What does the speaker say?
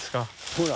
ほら。